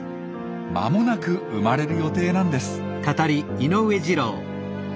まもなく生まれる予定なんです。